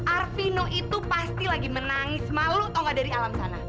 arvino itu pasti lagi menangis sama lu tau gak dari alam sana